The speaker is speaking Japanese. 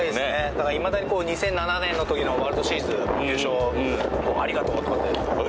だからいまだに２００７年の時のワールドシリーズ優勝ありがとう！とかって言われたりするので。